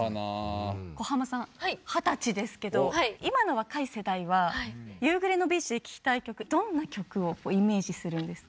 小浜さん二十歳ですけど今の若い世代は夕暮れのビーチで聴きたい曲どんな曲をイメージするんですか？